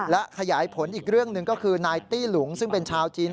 และขยายผลอีกเรื่องหนึ่งก็คือนายตี้หลุงซึ่งเป็นชาวจีน